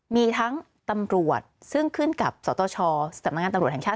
มีทั้งตำรวจซึ่งขึ้นกับสตชสำนักงานตำรวจแห่งชาติ